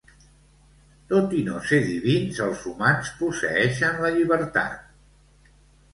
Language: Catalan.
Tot i no ser divins, els humans posseeixen la llibertat.